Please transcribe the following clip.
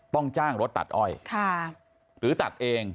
ต้องจ้างรถตัดอ้อยหรือตัดเอง